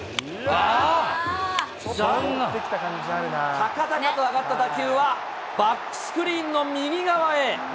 高々と上がった打球は、バックスクリーンの右側へ。